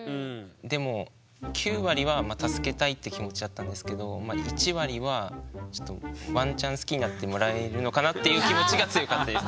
でも９割は助けたいって気持ちだったんですけど１割はちょっとワンチャン好きになってもらえるのかなっていう気持ちが強かったです。